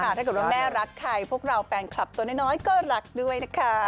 ถ้าเกิดว่าแม่รักใครพวกเราแฟนคลับตัวน้อยก็รักด้วยนะคะ